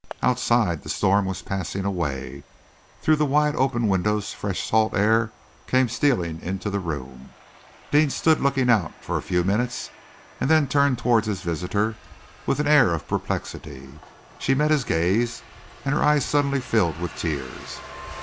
Outside, the storm was passing away. Through the wide open windows fresh salt air came stealing into the room. Deane stood looking out for a few minutes, and then turned towards his visitor with an air of perplexity. She met his gaze, and her eyes suddenly filled with tears.